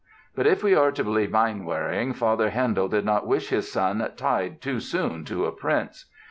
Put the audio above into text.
But if we are to believe Mainwaring, Father Handel did not wish his son "tied too soon to a prince."